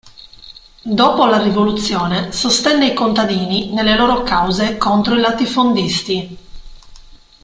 Dopo la rivoluzione sostenne i contadini nelle loro cause contro i latifondisti.